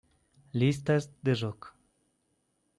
Listas de rock.